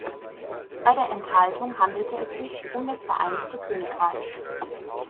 Bei der Enthaltung handelte es sich um das Vereinigte Königreich.